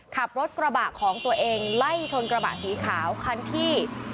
ขับรถกระบะของตัวเองไล่ชนกระบะสีขาวคันที่